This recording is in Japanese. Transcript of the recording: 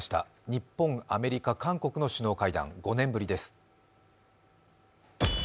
日本、アメリカ、韓国の首脳会談、５年ぶりです。